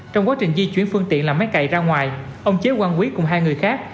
trong quá trình di chuyển phương tiện làm máy cầy ra ngoài ông chế quang quý cùng hai người khác